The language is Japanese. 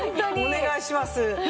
お願いします。